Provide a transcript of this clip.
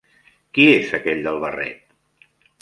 Qui és aquell del barret?